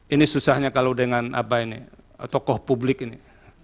ini susahnya kalau dengan tokoh publik ini